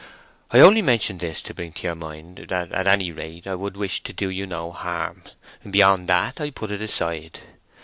I only mention this to bring to your mind that at any rate I would wish to do you no harm: beyond that I put it aside.